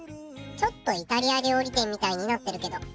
ちょっとイタリア料理店みたいになってるけど。